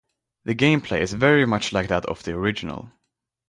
The gameplay is very much like that of the original.